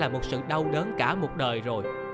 một sự đau đớn cả một đời rồi